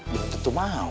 belum tentu mau